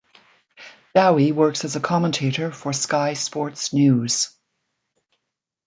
Dowie works as a commentator for Sky Sports News.